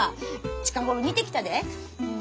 近頃似てきたで。